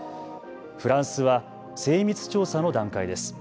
フランスは精密調査の段階です。